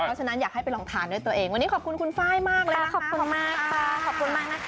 เพราะฉะนั้นอยากให้ไปลองทานด้วยตัวเองวันนี้ขอบคุณคุณไฟมากเลยนะคะขอบคุณมาก